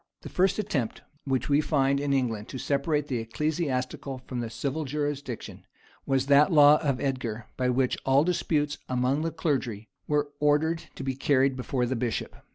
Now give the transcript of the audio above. The first attempt which we find in England to separate the ecclesiastical from the civil jurisdiction, was that law of Edgar by which all disputes among the clergy were ordered to be carried before the bishop.